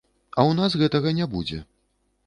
А ў нас гэтага не будзе.